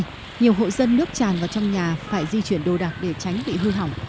trong ngày nhiều hội dân nước tràn vào trong nhà phải di chuyển đồ đạc để tránh bị hư hỏng